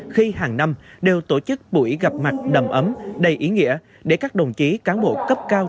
khi hàng năm đều tổ chức buổi gặp mặt đầm ấm đầy ý nghĩa để các đồng chí cán bộ cấp cao